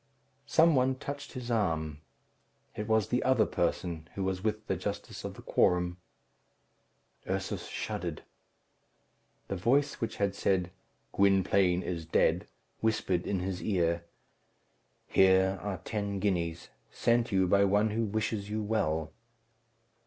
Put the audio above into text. Some one touched his arm. It was the other person, who was with the justice of the quorum. Ursus shuddered. The voice which had said, "Gwynplaine is dead," whispered in his ear, "Here are ten guineas, sent you by one who wishes you well."